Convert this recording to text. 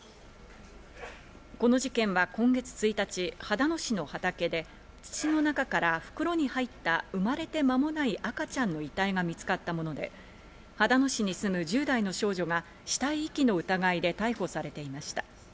この事件は今月１日、秦野市の畑で土の中から袋に入った生まれて間もない赤ちゃんの遺体が見つかったもので、秦野市に住む１０代の少女が死体遺棄の疑いで逮捕されていました。